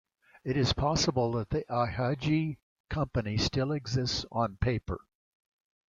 It is possible that the Ihagee company still exists on paper.